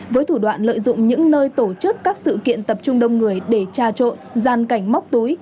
với thủ đoạn lợi dụng những nơi tổ chức các sự kiện tập trung đông người để tra trộn gian cảnh móc túi